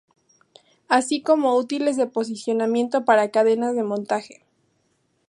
Así como útiles de posicionamiento para cadenas de montaje.